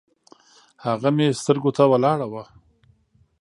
هغه مې سترګو ته ولاړه وه